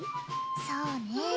そうねえ